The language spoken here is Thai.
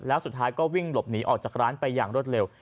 แล้วสุดท้ายก็วิ่งหลบหนีออกจากร้านไปอย่างรวดเร็ว